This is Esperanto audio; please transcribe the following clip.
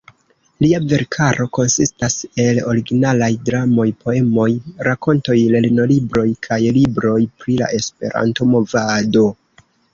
Lia verkaro konsistas el originalaj dramoj, poemoj, rakontoj, lernolibroj kaj libroj pri la Esperanto-movado.